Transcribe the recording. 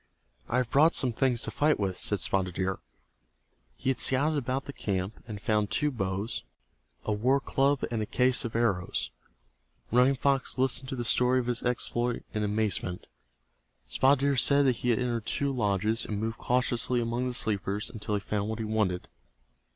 "I have brought some things to fight with," said Spotted Deer. He had scouted about the camp, and found two bows, a war club and a case of arrows. Running Fox listened to the story of his exploit in amazement. Spotted Deer said that he had entered two lodges, and moved cautiously among the sleepers until he found what he wanted.